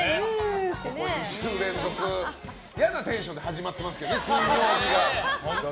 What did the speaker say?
２週連続嫌なテンションで始まってますけどね、水曜日が。